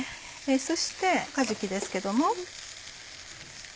そしてかじきですけども。